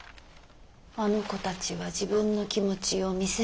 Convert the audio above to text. あの子たちは自分の気持ちを見せない。